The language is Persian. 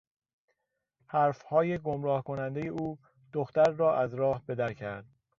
حرفهای گمراه کنندهی او دختر را از راه بدر کرد.